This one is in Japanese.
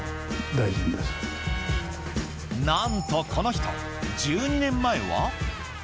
何とこの人、１２年前は。